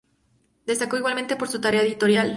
Destacó igualmente por su tarea editorial.